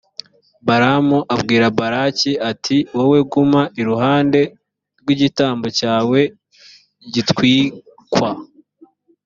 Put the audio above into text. balamu abwira balaki, ati «wowe guma iruhande rw’igitambo cyawe gitwikwa.